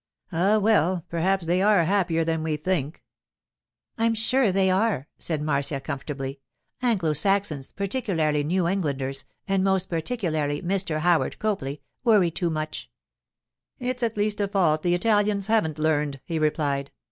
'Ah, well, perhaps they are happier than we think.' 'I'm sure they are,' said Marcia, comfortably. 'Anglo Saxons, particularly New Englanders, and most particularly Mr. Howard Copley, worry too much.' 'It's at least a fault the Italians haven't learned,' he replied.